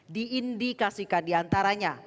di indikasikan di antaranya